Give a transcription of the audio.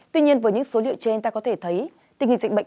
tuy nhiên với những số liệu trên ta có thể thấy tình hình dịch bệnh